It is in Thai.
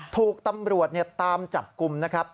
ถูกตำรวจตามจับกลุ่มนะครับ